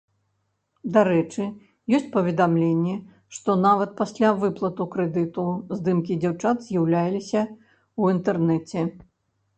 Дарэчы, ёсць паведамленні, што нават пасля выплаты крэдыту здымкі дзяўчат з'яўляліся ў інтэрнэце.